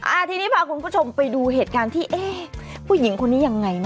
อ่าทีนี้พาคุณผู้ชมไปดูเหตุการณ์ที่เอ๊ะผู้หญิงคนนี้ยังไงนะ